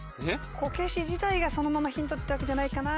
こけし自体がそのままヒントってわけじゃないかな。